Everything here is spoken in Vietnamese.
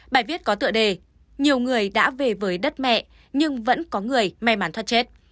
bài viết có tựa đề nhiều người đã về với đất mẹ nhưng vẫn có người may mắn thoát chết